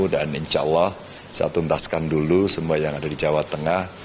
dan insya allah saya tuntaskan dulu semua yang ada di jawa tengah